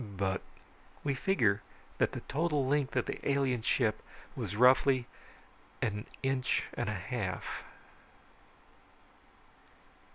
"But ..." "We figure that the total length of the alien ship was roughly an inch and a half."